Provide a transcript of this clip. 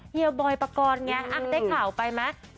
เฮียบอยปกรณ์ไงได้ข่าวไปไหม